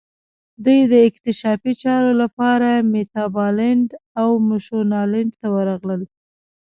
دوی د اکتشافي چارو لپاره میتابالنډ او مشونالند ته ورغلل.